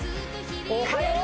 おはよう！